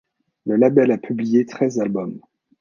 Le label a publié treize albums.